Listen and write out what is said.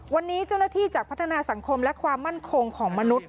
วันนี้เจ้าหน้าที่จากพัฒนาสังคมและความมั่นคงของมนุษย